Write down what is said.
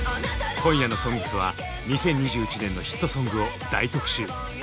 今夜の「ＳＯＮＧＳ」は２０２１年のヒットソングを大特集！